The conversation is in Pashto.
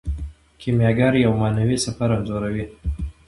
کیمیاګر یو معنوي سفر انځوروي.